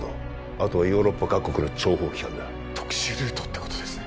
あとはヨーロッパ各国の諜報機関だ特殊ルートってことですね